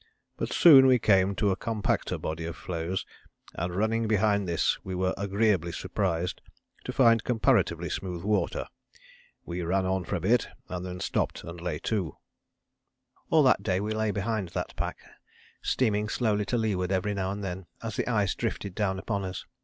But soon we came to a compacter body of floes, and running behind this we were agreeably surprised to find comparatively smooth water. We ran on for a bit, then stopped and lay to." All that day we lay behind that pack, steaming slowly to leeward every now and then, as the ice drifted down upon us.